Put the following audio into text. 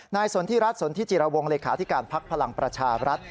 นายสนที่รัฐสนที่จิรวงร์หลักขาวธิการพลังประชารัฐ